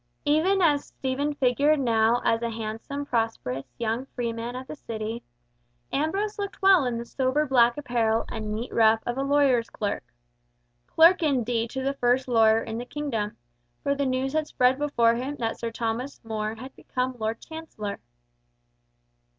Even as Stephen figured now as a handsome prosperous young freeman of the City, Ambrose looked well in the sober black apparel and neat ruff of a lawyer's clerk—clerk indeed to the first lawyer in the kingdom, for the news had spread before him that Sir Thomas More had become Lord Chancellor.